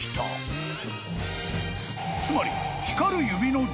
［つまり］